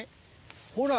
ほら。